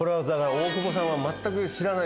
大久保さんはまったく知らない。